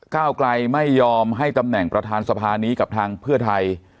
ก้าวไกลไม่ยอมให้ตำแหน่งประธานสภานี้กับทางเพื่อไทย